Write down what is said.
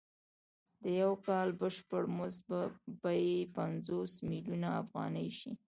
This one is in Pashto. د یو کال بشپړ مزد به یې پنځوس میلیونه افغانۍ شي